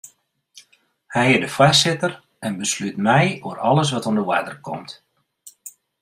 Hy is de foarsitter en beslút mei oer alles wat oan de oarder komt.